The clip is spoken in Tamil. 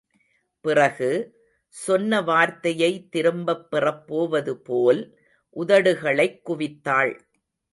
பிறகு, சொன்ன வார்த்தையை திரும்பப் பெறப் போவதுபோல், உதடுகளைக் குவித்தாள்.